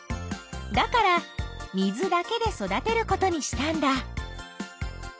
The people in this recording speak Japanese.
だから水だけで育てることにしたんだ。